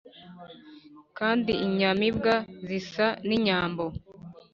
kandi inyamibwa zisa n'inyambo.